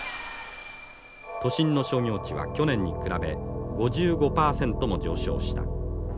「都心の商業地は去年に比べ５５％も上昇した」。